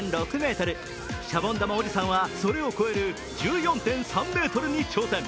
シャボン玉おじさんはそれを超える１４．３ｍに挑戦。